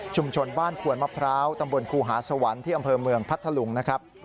บ้านขวนมะพร้าวตำบลครูหาสวรรค์ที่อำเภอเมืองพัทธลุงนะครับ